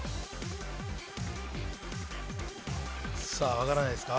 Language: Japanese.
分からないですか？